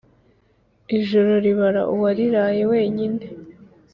Ijoro ribara uwariraye wenyine